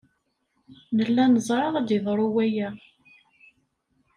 Nella neẓra ad yeḍru waya.